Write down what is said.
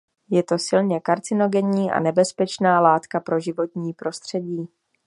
Je to silně karcinogenní a nebezpečná látka pro životní prostředí.